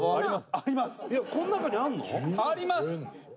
あります。